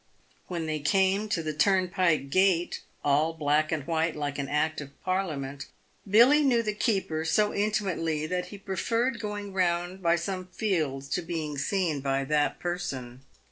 AV hen they came to the turnpike gate — all black and white like an Act of Parliament — Billy knew the keeper so inti mately that he preferred going round by some fields to being seen by ^ x PAVED WITH GOLD. 253 that person.